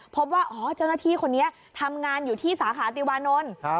พบว่าอ๋อเจ้าหน้าที่คนนี้ทำงานอยู่ที่สาขาติวานนท์